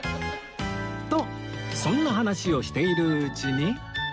とそんな話をしているうちに